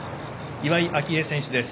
岩井明愛選手です。